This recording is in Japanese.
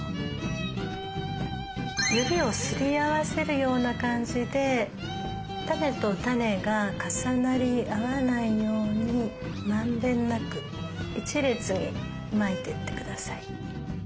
指をすり合わせるような感じで種と種が重なり合わないようにまんべんなく一列にまいていってください。